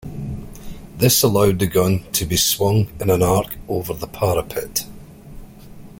This allowed the gun to be swung in an arc over a parapet.